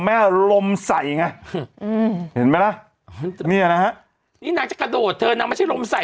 อารมณ์ใส่ไงอืมเห็นไหมล่ะเนี่ยนะฮะนี่นางจะกระโดดเธอนางไม่ใช่ลมใส่